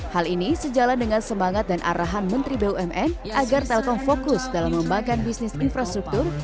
hal ini sejalan dengan semangat dan arahan menteri bumn agar telkom fokus dalam mengembangkan bisnis infrastruktur